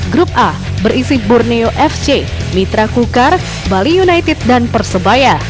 grup a berisi borneo fc mitra kukar bali united dan persebaya